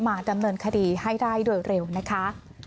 มาดำเนินคดีให้ได้โดยเร็วนะคะ